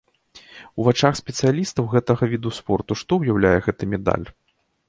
У вачах спецыялістаў гэтага віду спорту што ўяўляе гэты медаль?